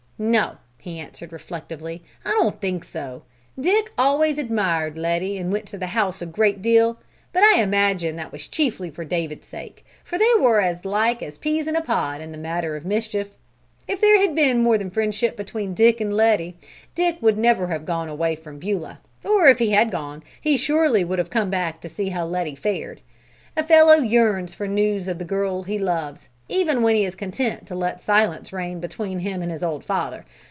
"No," he answered reflectively, "I don't think so. Dick always admired Letty and went to the house a great deal, but I imagine that was chiefly for David's sake, for they were as like as peas in a pod in the matter of mischief. If there had been more than friendship between Dick and Letty, Dick would never have gone away from Beulah, or if he had gone, he surely would have come back to see how Letty fared. A fellow yearns for news of the girl he loves even when he is content to let silence reign between him and his old father.